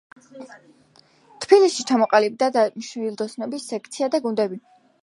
თბილისში ჩამოყალიბდა და მშვილდოსნობის სექცია და გუნდები.